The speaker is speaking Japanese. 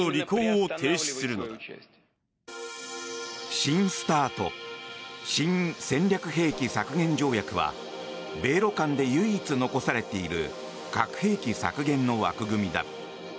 新ＳＴＡＲＴ・新戦略兵器削減条約は米ロ間で唯一残されている核兵器削減の枠組みだ。